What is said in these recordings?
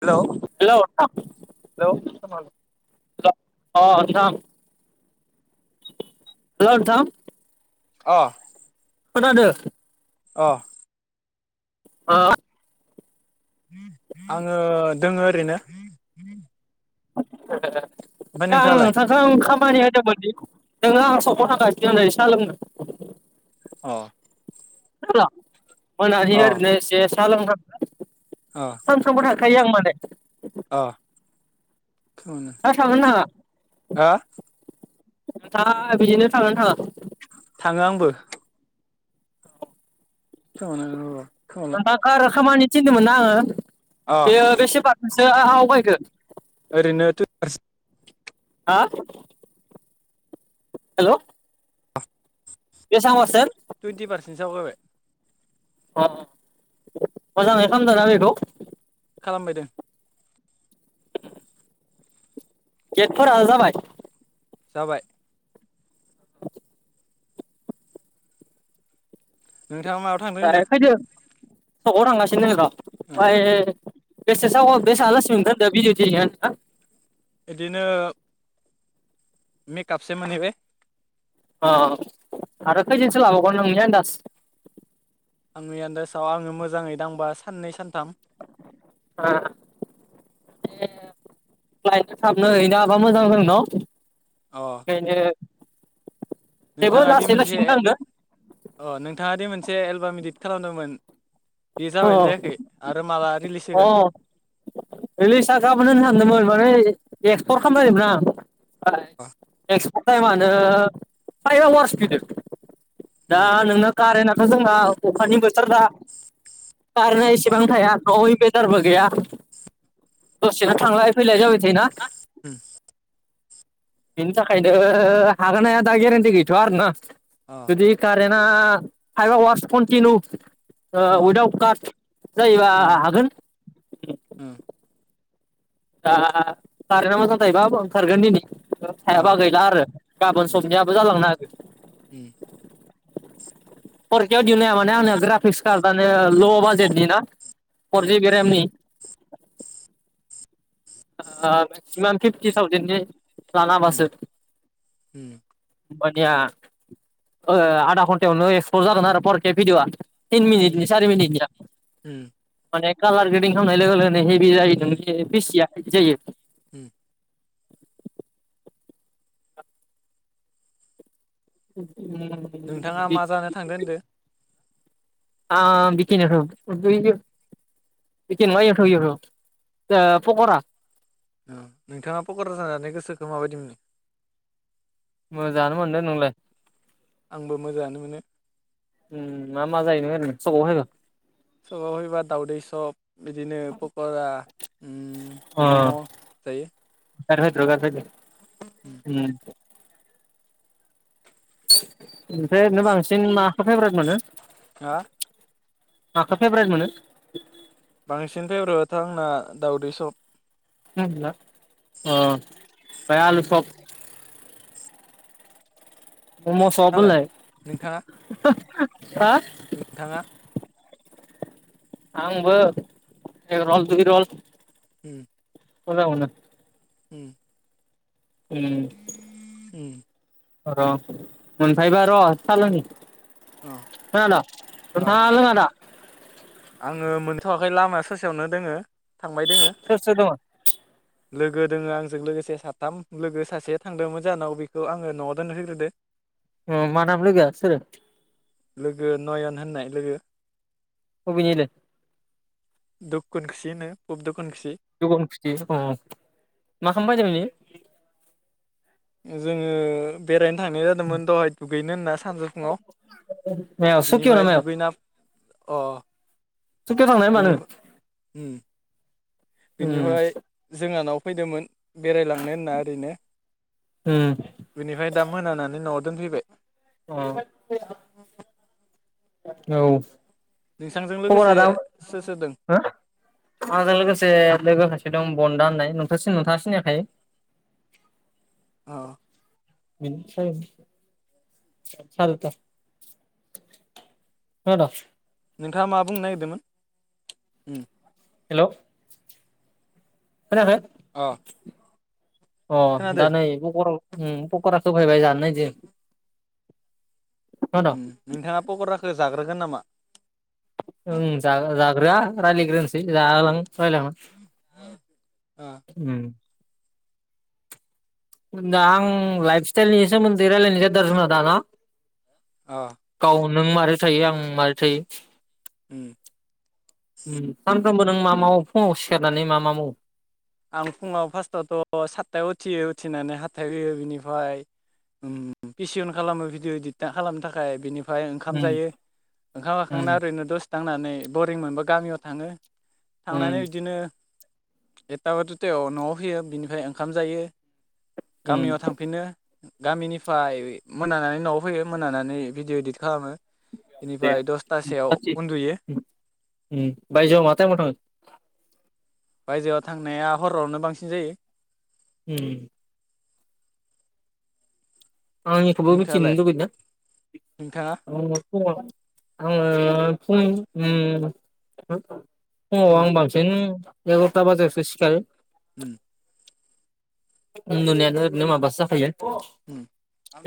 Hello hello नोंथां hello अ नोंथां हेलौ ओनथां अह खोनादो अह हो आङो दोङो ओरैनो [inaudible] ओमफ्राय ना आं नोंथाङालाय नोंथांखौ आं खामानि होदोमोन [unintelligible] नोङो आं सख थाखाखासिग आै साहा लोंनो औ नथ [unintelligible] मान हारनोसे [unintelligible] सा लों थां सानफ्रोमबो थां खायो आं माने अह दा थांनो नाङा हो दा बिदिनो थांगोन ओ थाङो आंबो [inaudible] [unintelligible] नोंथांखो आरो खामानि थिनदोनो मोना आङो अ बेयो बे सेबारखौसो आं आवगायखो ओरैनो टुइन्टि हा हेलौ बेसां फारसेन टुवन्टि पारसेन्टसो आवगायबाय अह मोजाङै खामदोना बेखौ खालामबायदों देदफोर आ जाबाय जाबाय नोंथाङा माबायाव थांदो सगाव थांगासिनो दंर अआय बेसे साव [inaudible] बिदिनो मेकपसे मोनैबाय अ आरो खै जोनसो लाबावगोन नोंनि आनदास आंनि आन्दासाव आङो मोजाङै दांबा साननै सानथाम ए लाइनो थाबनो हैनो हाबा मोजां जोंन अ खैनो नोंथाङा दि मोनसे लासैनो थांदो अ नोंथाङा दि मोनसे एलबाम इदिट खालामदोंमोन बे अ जाबायानो जायाखै आरो माला रिलिस अ रिलिजा गाबोननो सानदोंमोन माने एसे एक्सपर्ट खामबायदोंमोन आं अ एकसप' तायमानो फायब हावारस बिदो दा उम नोंना कारेन्टथ जोंना अखानि बोथोर दा खारेना एसेबां थाया अइ बेदर बो अ गैया बेसे थांलाय फैलाय जाबाय थायोना बिनि थाखायनो हागोन ना हाया दा गेरेनथि गैथ'वा आरो ना जुदि कारेन ना फायब हावारस कन्थि नु ओ उद आउद काट जायोबा हागोन दा कारेना मोजां जायोबा ओंखारगोन दिनि थायाबा गैला आरो गाबोन समनियाबो जालांनो हागो बेखौ उम फरिदिनो ग्राफिस खारद आनो ल' बाजेट नि ना फर जेबि रेमनि आ मेगसिमाम फिबथि थावजेननि लानो हाबासो मानिया आधा घन्टायावनो एक्सप जागोन आरो परके भिडिअआ तिन मनिटनि चारि मनिटनि माने कालार गेदिं खालामनाय लोगो लोगो माने हेभि जायो नों फिसिया जायो उम [inaudible] उम नोंथाङा मा जानो थांदो होनदों आ बिखन बिख पक'र [unintelligible] नोंथाङा पकरा जानानै गोसोखौ माबायदि मोनो? मोजाङानो मोनदों नोंलाय आंबो मोजाङानो मोनो ओम मा मा जायोनो सगाव होनो सगाव फैबा दाउदै सब बिदिनो पक'रा ओम मम' जायो [unintelligible] ओम ओमफ्राय ओरैनो बांसिन माखौ फेभ्रेट मोनो हा मखौ फेभ्रेट मोनो बांसिन फेभरेट आंना दावदै सब उम बिदिब्ला ओ ओमफ्राय आलु सब मम सब नालाय लाय नोंथाङा हा नोंथाङा आंबो एग रल दुइ रल ओम उनावनो ओम ओम ओम र मोनफैबाय र' साहालोंनि खोनादों अ नोंथाङा लोंङादा आङो मोनथ'वाखै लामाया ससेयावनो दोङो थांबाय दोङो सोर सोर दङ लोगो दोङो आंजों लोगोसे साथाम लोगो सासे थांदोंमोन जाहोनाव बेखौ आङो न'आव दोनहोग्रोदो मा नाम लोगोआ सोरो लोगो नयन होननाय लोगो बबेनिलै [unintelligible] [unintelligible] [unintelligible] मा खामनो फैदोंमोन इयो जोङो बेरायनो थांनाय जादोंमोन दहाय दुगैनो होनना सानजौफुङआव मायाव सुकियाव ना बिनिफ्राय मायाव दुगैना अ सुकियाव थांनाय होमबा बेनि नों उम उम बेनिफ्राय जोंहानाव फैदोंमोन बेरायलांनो होनना ओरैनो उम बिनिफ्राय दा मोनानानै न'आव दोनफैबाय अ औ नोंथांजों लोगोसे खबरा दाम सोर सोर दों हा आजों लोगोसे लोगोखासे एकदम बन्दा होननाय नोंथांसि नोंथांसिनायखाय। अ [unintelligible] खोनाद'? नोंथाङा मा बुंनो नागिरदोंमोन? हेलौ। अ खोनायाखै? अ खोनादो दा नै गबराव उ पकराखो होफैबाय जानो नायदो। नोंथाङा पकराखो? जाग्रोगोन नामा? ओं जाग्रोआ रायज्लायग्रोनोसै जाहोलां रायलाय होलां अ उम दा आं लाइफ स्टाइलनि सोमोन्दै रायलायनाय जादों आरो दा न'? अ नों मारै थायो आं मारै थायो? उम उम सामफ्रोमबो नों मा मावो फुङाव सिखारनानै मा मा मावो? आं फुङाव फार्स्टआवथ' सातथायाव उथियो उथिनानै हाथायाव हुयो बिनिफ्राय पिसिअन खालामो भिडिअ इडिट खालामनो थाखाय बिनि फ्राय ओंखाम उम जायो ओंखाम उम जाखांना ओरैनो दस दांनानै बरिं मोनबा गामियाव थाङो। थांनानै उम बिदिनो एथ एथा बा दुथायाव न'आव फैयो बिनिफ्राय ओंखाम जायो। उम गामियाव थांफिनो। गामिनिफ्राय मोनानानै न'आव फैयो मोनानानै भिडिअ इदित खालामो। दे बेनिफ्राय [inaudible] दसथासोआव उन्दुयो उम उम बायजोआव मा टाइमाव थाङो? बायजोआव थांनाया हरावनो बांसिन जायो। उम आंनिखौबो मिथिनो नोंथाङालाय लुबैयो ना? नोंथाङा आं न'आवसो दं। आङो फुं उम हो फुंआव उम आं बांसिन एघरता बाजायावसो सिखारो। उम। उन्दुनायानो ओरैनो माबासो जाखायो। उम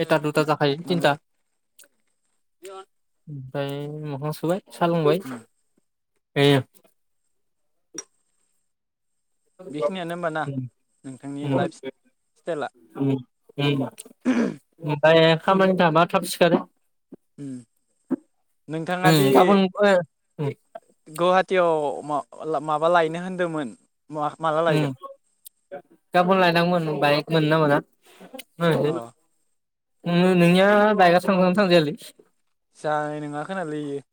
एता दुता जाखायो नोङो तिनता। ओमफाय मोखां सुबाय। सा लोंबाय। उम फेयो। बेखिनियानो होमबा ना उम नोंथांनि उम लाइफ स्टाइला? उम उम। ओमफाय खामानि थाबा थाब सिखारो। उम नोंथाङादि उम गाबोन ओ उम गौवाहाट टियाव मा माबा लायनो होनदोंमोन। माला लायगोन उम गाबोन लायनांगोमोन बाइक मोनो ना मोना। [unintelligible] अ नों नोंनिया बाइकआसो थांजागोना थाजायालै? जानाय नङा खोनालैयो इयो।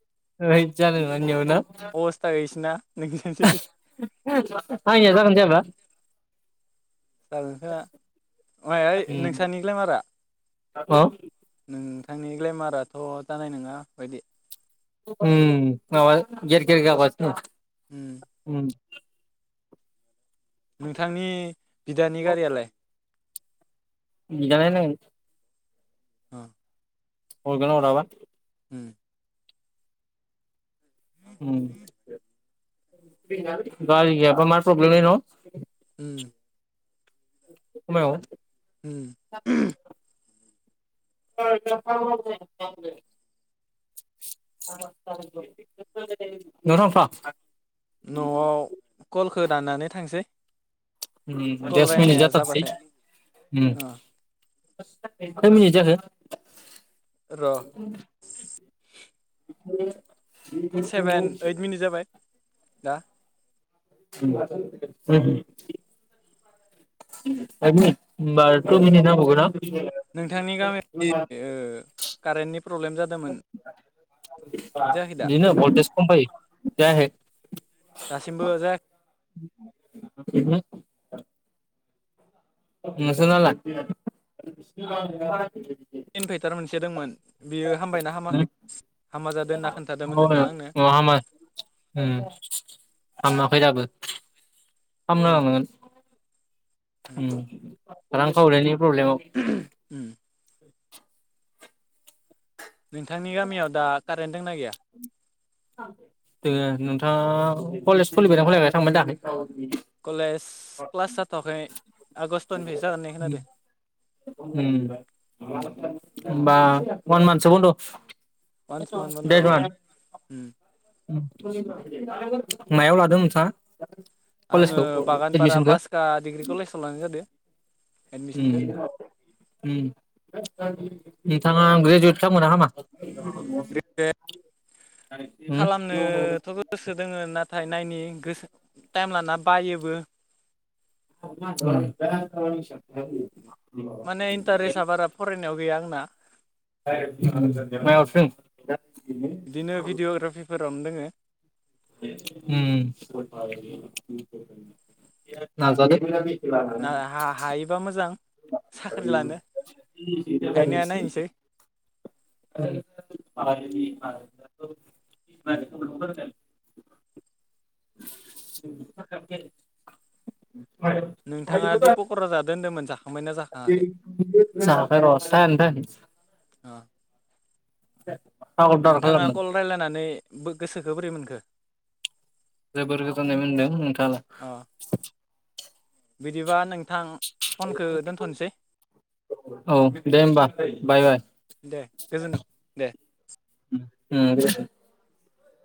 होइ जानाय नङा नोंनियाबो ना? अबस्था गैसिना। आंनिया जागोना जायाबा? उम नोंसानि ग्लेमारा? अ नोंनि ग्लेमाराथ' जानाय नङा बायदि। उम माबा गेेर गेेर खस्थ' गाबगासिनो उम दं। नोंथांनि बिदानि गारियालाय? बिना नायनांगोन। अ। हरगोना हराबा? [inaudible] उम गारि गैयाबा मार प्रब्लेमलै नं? उम। [unintelligible] [unintelligible] [unintelligible] न'आव कलखो दाननानै थांसै। उम कल दस मिनिट रायनाया जाथारथोसै जाबाथाय उम। अ खैमिनिट जाखो? र' उम। [inaudible] सेबेन ओइट मिनिट जाबाय। दा। [unintelligible] Five minute. होनबा आरो टु उम मिनिट नांबावगोन नोंथांनि ना? गामियाव ओ कारेन्टनि प्रब्लेम जादोंमोन। जायाखै दा इदिनो भलटेज खम फायो जायाखै। दासिमबो जायाखै [unintelligible] नोंसोरनालाय? इनभाइटार मोनसे दोंमोन बियो हामबायना हामाखै? हामा जादों होनना खोन्थादोंमोन माबा नोंथाङा आंनो। हामा हामाखै दाबो। फामनो हामाखै लानांगोन उम। रां खावरिनि प्रब्लेमाव। उम [inaudible] नोंथांनि गामियाव दा कारेन्ट दंना गैया दोङो नोंथाङा कलेज खुलिबायना खुलियाखै थांबायना थाङाखै? कलेज क्लास जाथ'वाखै आगष्ट उम। होनबा अवान मान्थसो बन्द। आवान्स मान बान्द' देट औ। वान मायाव लादों नोंथाङा? आङो कलेजखौ बागानफारा एडमिसनखौ बासखा डिग्रि कलेजाव लानाय जादों। एडमिसनखौ उम उम। बिथाङा ग्रेजुवेट खालामगोनना खामा? खालामनोथ' गोसो दोङ ना थाय नायनि गोसो टाइम लाना बायोबो। [unintelligible] माने इन्टारेस्ट आ बारा फरायनायाव गैया आंना। मायावथो दोङो? बिदिनो भिडिअ'ग्राफिफोर रावनो दोङो। उम नाजादों। ना हा-हा हायोबा मोजां साख्रि लानो हायो नाया नायनोसै। [unintelligible] नोंथाङा दि पक'रा जादो होनदोंमोन जाखांबायना जाखाङाखै अ [unintelligible] [inaudible] अर्डार नोंथाङा खालामगोन कल रायज्लायनानै गोसोखौ बोरै मोनखो? जोबोर गोजोननाय मोनदों नोंथां। अ बिदिबा नोंथां फनखौ दोनथ'नोसै औ दे होमबा बाय दे गोजोन्थों दे। उम दे।